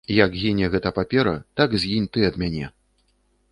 Як гіне гэта папера, так згінь ты ад мяне.